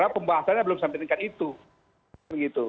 pembahasannya belum sampai meningkat itu